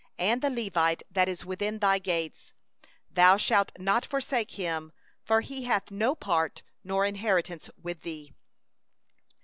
27And the Levite that is within thy gates, thou shalt not forsake him; for he hath no portion nor inheritance with thee.